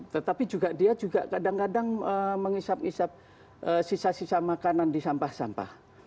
tetapi juga dia juga kadang kadang menghisap isap sisa sisa makanan di sampah sampah